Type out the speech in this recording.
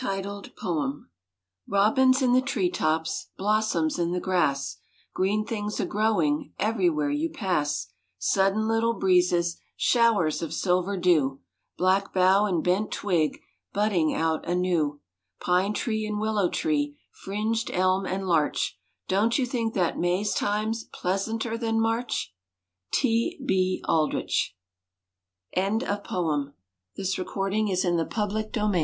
_Robins in the tree tops, Blossoms in the grass; Green things a growing Everywhere you pass; Sudden little breezes, Showers of silver dew; Black bough and bent twig Budding out anew; Pine tree and willow tree, Fringed elm and larch, Don't you think that May time's Pleasanter than March? T. B. Aldrich. [Illustration: RING NECKED DOVE. 1/2 Life size. FROM COL.